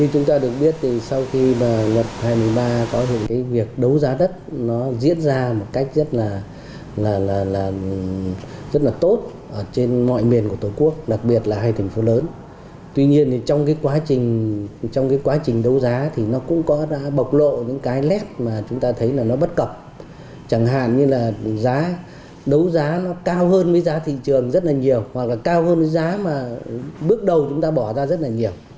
cao hơn với giá thị trường rất là nhiều hoặc là cao hơn với giá mà bước đầu chúng ta bỏ ra rất là nhiều